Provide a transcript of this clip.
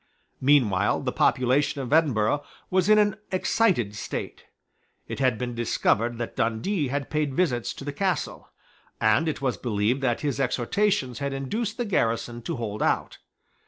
Meanwhile the population of Edinburgh was in an excited state. It had been discovered that Dundee had paid visits to the Castle; and it was believed that his exhortations had induced the garrison to hold out.